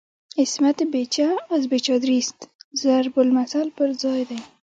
"عصمت بی چه از بی چادریست" ضرب المثل پر ځای دی.